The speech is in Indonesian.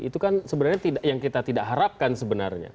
itu kan sebenarnya yang kita tidak harapkan sebenarnya